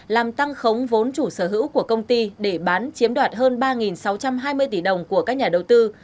làm tăng khống vốn chủ sở hữu của công ty để bán chiếm đoạt hơn ba sáu trăm hai mươi tỷ đồng của các nhà đầu tư